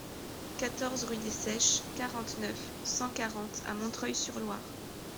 quatorze rue de Seiches, quarante-neuf, cent quarante à Montreuil-sur-Loir